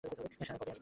সানাই কবে আসবে?